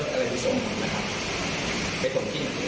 ก็เป็นคนที่